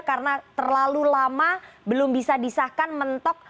karena terlalu lama belum bisa disahkan mentok